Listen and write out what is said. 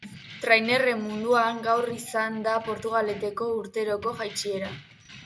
Trainerren munduan gaur izan da Portugaleteko urteroko jaitsiera.